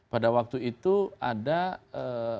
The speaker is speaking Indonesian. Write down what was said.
pada waktu itu ada pembunuhan pembunuhan para ulama